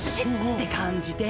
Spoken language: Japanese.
て感じで。